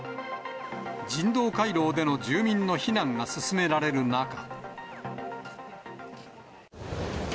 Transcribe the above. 人道回廊での住民の避難が進められる中。